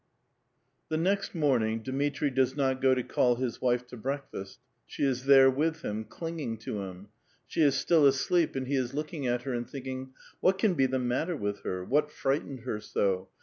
The next morning, Dmitri does not go to call his wife to breakfast; she is there with him, clinging to liim. She is still asleep, and be is looking at her, and tiiinking, ^^ What can be the matter with her? what frightened her so?